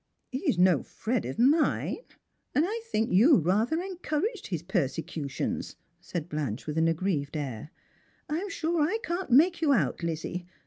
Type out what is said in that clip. " He's no Fred of mine, and I think you rather encouraged his persecutions," said Blanche with an aggrieved air. " I'm sure I can't make you out, Lizzie.